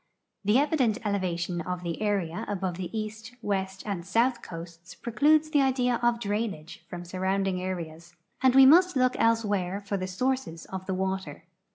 The evident elevation of the area above the east, west, and south coasts precludes the idea of drainage from surrounding areas, and we must look elsewhere for the sources of the water.